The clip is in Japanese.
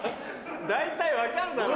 大体分かんだろ。